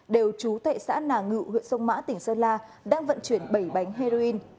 đều trú tại xã nà ngự huyện sông mã tỉnh sơn la đang vận chuyển bảy bánh heroin